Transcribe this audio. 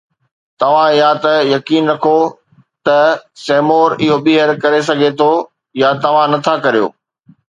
توهان يا ته يقين رکون ٿا ته سيمور اهو ٻيهر ڪري سگهي ٿو يا توهان نٿا ڪريو